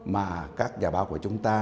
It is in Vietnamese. mà các nhà báo của chúng ta